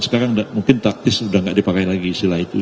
sekarang mungkin taktis sudah tidak dipakai lagi istilah itu